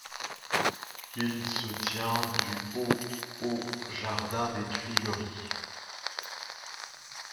Il se tient du au au jardin des Tuileries.